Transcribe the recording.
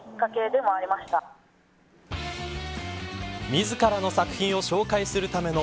自らの作品を紹介するための